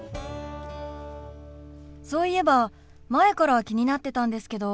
そういえば前から気になってたんですけど。